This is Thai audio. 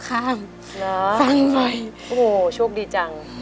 กันไหมครับ